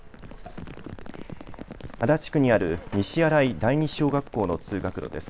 足立区にある西新井第二小学校の通学路です。